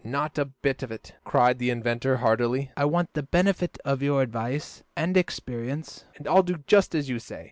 "Not a bit of it!" cried the inventor heartily. "I want the benefit of your advice and experience, and I'll do just as you say.